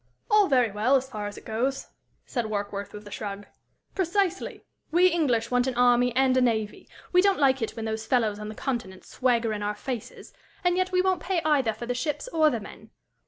"All very well, as far as it goes," said Warkworth, with a shrug. "Precisely! We English want an army and a navy; we don't like it when those fellows on the Continent swagger in our faces, and yet we won't pay either for the ships or the men.